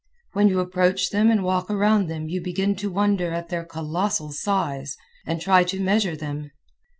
When you approach them and walk around them you begin to wonder at their colossal size and try to measure them.